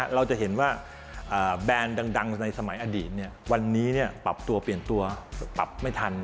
เราจะเห็นว่าแบรนด์ดังในสมัยอดีตวันนี้ปรับตัวเปลี่ยนตัวปรับไม่ทัน